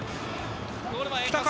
ゴール前、来たか。